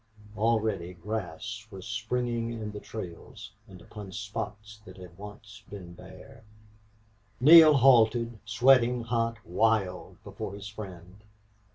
Already grass was springing in the trails and upon spots that had once been bare. Neale halted, sweating, hot, wild, before his friend.